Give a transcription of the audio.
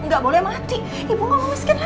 gak boleh mati ibu gak mau miskin lagi